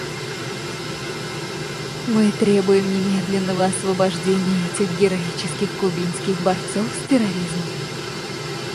Мы требуем немедленного освобождения этих героических кубинских борцов с терроризмом.